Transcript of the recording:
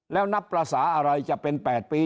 แล้วนับภาษาอะไรจะเป็น๘ปี